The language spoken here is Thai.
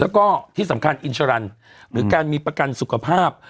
แล้วก็ที่สำคัญอินชรันหรือการมีประกันสุขภาพ